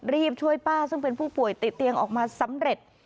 รีบช่วยป้าซึ่งเป็นผู้ป่วยติดเตียงออกมาสำเร็จ